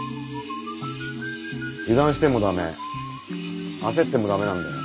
油断しても駄目焦っても駄目なんだよ。